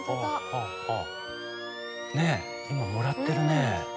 ねえ今もらってるね。